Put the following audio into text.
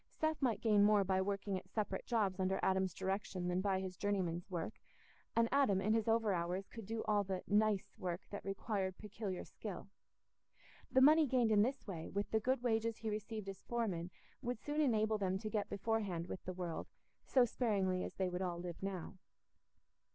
Seth might gain more by working at separate jobs under Adam's direction than by his journeyman's work, and Adam, in his overhours, could do all the "nice" work that required peculiar skill. The money gained in this way, with the good wages he received as foreman, would soon enable them to get beforehand with the world, so sparingly as they would all live now.